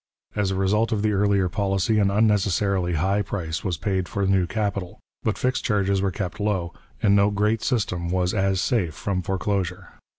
As a result of the earlier policy an unnecessarily high price was paid for new capital, but fixed charges were kept low, and no great system was as safe from foreclosure.